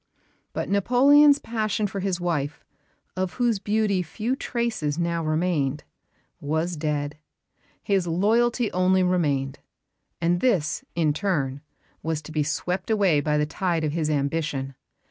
But Napoleon's passion for his wife, of whose beauty few traces now remained, was dead. His loyalty only remained; and this, in turn, was to be swept away by the tide of his ambition.